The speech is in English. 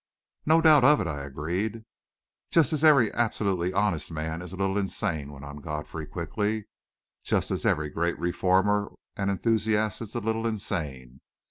"No doubt of it," I agreed. "Just as every absolutely honest man is a little insane," went on Godfrey quickly. "Just as every great reformer and enthusiast is a little insane.